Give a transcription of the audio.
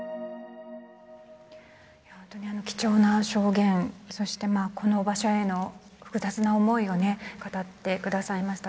本当に貴重な証言そして、この場所への複雑な思いを語ってくださいました。